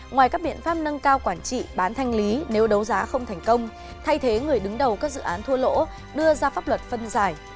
ngoài các biện pháp nâng cao quản trị bán thanh lý nếu đấu giá không thành công thay thế người đứng đầu các dự án thua lỗ đưa ra pháp luật phân giải